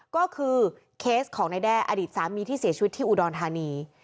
ก็คือเคสของนายแด้อดีตสามีที่เสียชีวิตที่อุดรธานี